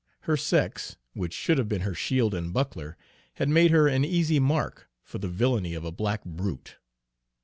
Her sex, which should have been her shield and buckler, had made her an easy mark for the villainy of a black brute.